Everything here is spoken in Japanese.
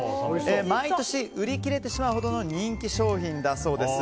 毎年売り切れてしまうほどの人気商品だそうです。